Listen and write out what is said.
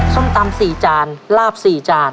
ส้มตำ๔จานลาบ๔จาน